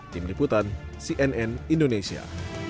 tim liputan cnn indonesia